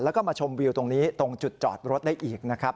แล้วก็มาชมวิวตรงนี้ตรงจุดจอดรถได้อีกนะครับ